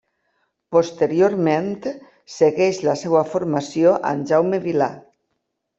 Posteriorment segueix la seva formació amb Jaume Vilà.